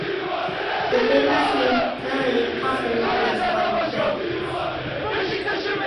The film received generally positive reviews from critics.